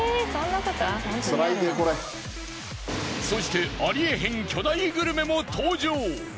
そしてありえへん巨大グルメも登場。